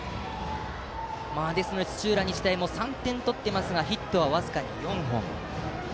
ですので土浦日大も３点取っていますがヒットは僅かに４本。